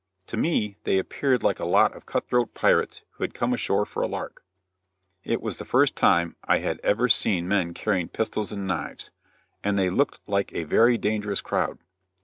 To me they appeared like a lot of cut throat pirates who had come ashore for a lark. It was the first time I had ever seen men carrying pistols and knives, and they looked like a very dangerous crowd.